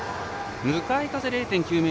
向かい風０．９ｍ。